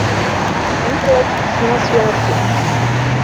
Ақалақь сналсҩалсит.